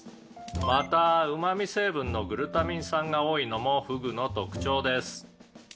「またうま味成分のグルタミン酸が多いのもフグの特徴です」